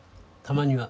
たまには。